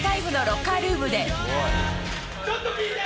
ちょっと聞いて！